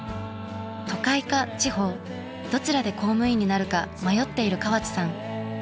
都会か地方どちらで公務員になるか迷っている河地さん。